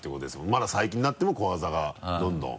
まだ最近になっても小技がどんどん。